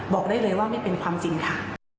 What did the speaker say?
บอกได้เลยว่าไม่เป็นความจริงค่ะ